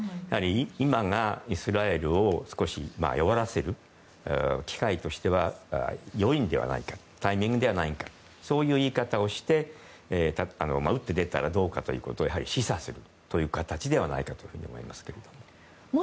今がイスラエルを少し弱らせる機会としては良いタイミングではないかそういう言い方をして打って出たらどうかということをやはり示唆するという形ではないかと思いますけども。